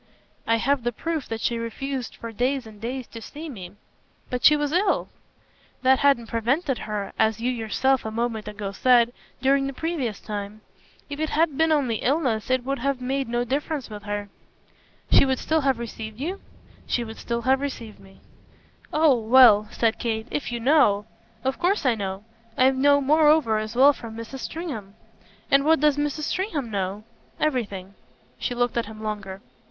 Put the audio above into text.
"I have the proof that she refused for days and days to see me." "But she was ill." "That hadn't prevented her as you yourself a moment ago said during the previous time. If it had been only illness it would have made no difference with her." "She would still have received you?" "She would still have received me." "Oh well," said Kate, "if you know !" "Of course I know. I know moreover as well from Mrs. Stringham." "And what does Mrs. Stringham know?" "Everything." She looked at him longer.